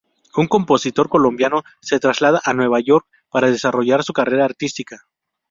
Un compositor colombiano se traslada a Nueva York para desarrollar su carrera artística.